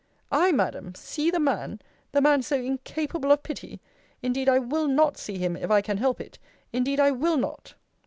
I, Madam, see the man! the man so incapable of pity! Indeed I will not see him, if I can help it indeed I will not.